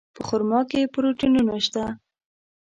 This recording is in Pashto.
په خرما کې پروټینونه شته.